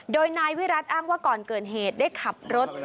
โดยนายวิรัติอ้างว่าก่อนเกิดเหตุได้ขับรถ